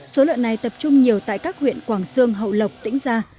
số lợn này tập trung nhiều tại các huyện quảng sương hậu lộc tĩnh gia